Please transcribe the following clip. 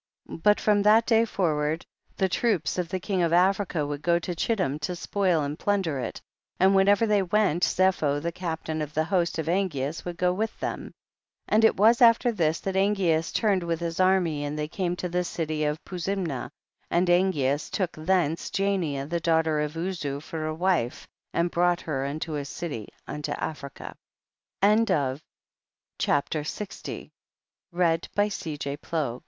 30. But from that day forward the troops of the king of Africa would go to Chittim to spoil and plunder it, and whenever they went Zepho the captain of the host of An geas would go with them. 31. And it was after this that Angeas turned with his army and they came to the city of Puzimna, and Angeas took thence Jania the daughter of Uzu for a wife and brought her unto his city unto Afr